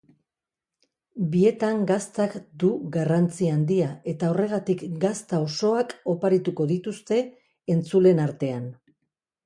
Bietan gaztak du garrantzi handia eta horregatik gazta osoak oparituko dituzte entzuleen artean.